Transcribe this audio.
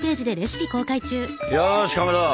よしかまど